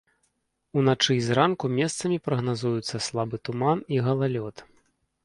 Уначы і зранку месцамі прагназуюцца слабы туман і галалёд.